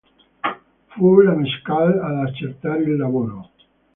Fu la Mescal ad accettare il lavoro.